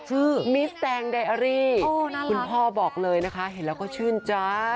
ชื่อน่ารักคุณพ่อบอกเลยนะคะเห็นแล้วก็ชื่นใจ